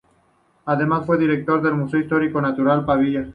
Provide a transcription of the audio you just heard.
Además, fue director del Museo de historia natural de Pavía, Italia.